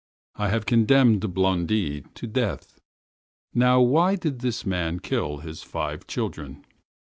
I have condemned Blondel to death! Now, why did this man kill his five children?